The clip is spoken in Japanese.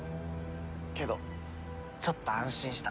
けどちょっと安心した。